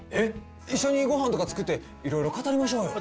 一緒にごはんとか作っていろいろ語りましょうよ。